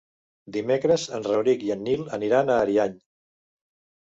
Dimecres en Rauric i en Nil aniran a Ariany.